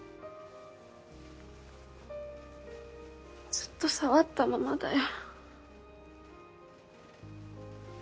ずっと触ったままだよ